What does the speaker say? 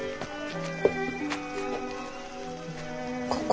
ここ？